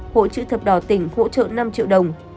hỗ trợ thập đỏ tỉnh hỗ trợ năm triệu đồng